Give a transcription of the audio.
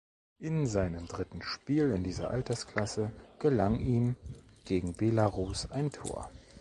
In seinem dritten Spiel in dieser Altersklasse gelang ihm gegen Belarus ein Tor.